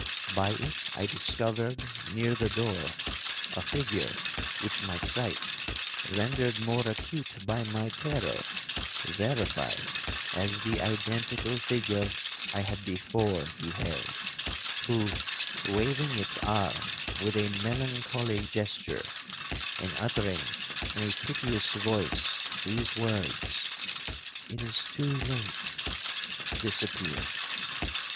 By it I discovered, near the door, a figure which my sight, rendered more acute by my terror, verified as the identical figure I had before beheld, who, waving its arm with a melancholy gesture, and uttering in a piteous voice these words, 'It is too late,' disappeared.